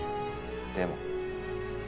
でも。